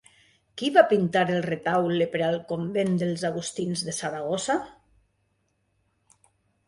Qui va pintar el retaule per al convent dels Agustins de Saragossa?